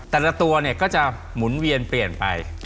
แต่ละตัวเนี่ยก็จะหมุนเวียนเปลี่ยนไป